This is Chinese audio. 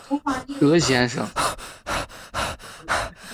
德先生